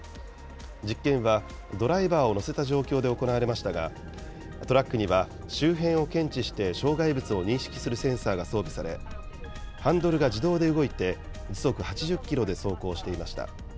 実験はドライバーを乗せた状況で行われましたが、トラックには周辺を検知して、障害物を認識するセンサーが装備され、ハンドルが自動で動いて、時速８０キロで走行していました。